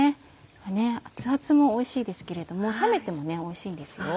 熱々もおいしいですけれども冷めてもおいしいんですよ。